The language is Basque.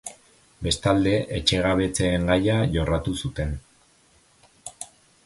Bestalde, etxegabetzeen gaia jorratu zuten.